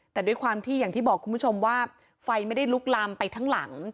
แต่ด้วยความที่อย่างที่บอกคุณผู้ชมว่าไฟไม่ได้ลุกลามไปทั้งหลัง